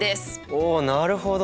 おなるほど。